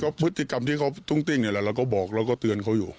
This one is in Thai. ก็พฤติกรรมที่เขาตุ้งติ้งแล้วก็บอกแล้วก็เตือนเขาอยู่